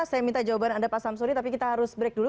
saya minta jawaban anda pak samsuri tapi kita harus break dulu